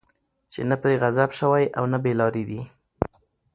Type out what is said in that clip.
چې نه پرې غضب شوی، او نه بې لاري دي